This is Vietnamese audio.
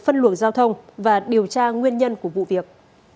phân luồng giao thông và điều tra nguyên nhân của vụ việc